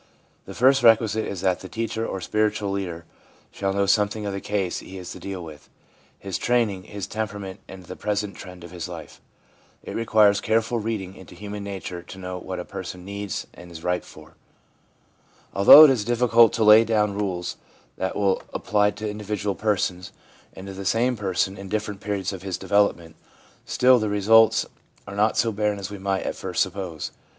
The first requisite is that the teacher or spiritual leader shall know something of the case he is to deal with — his training, his temperament, and the present trend of his life. It requires careful reading into human nature to know what a person needs, and is ripe for. Although it is difficult to lay down rules that will apply to individual persons, and to the same person in different periods of his development, still the results are not so barren as we might at first suppose.